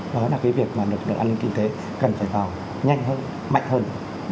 đó là cái việc mà lực lượng an ninh kinh tế cần phải vào nhanh hơn mạnh hơn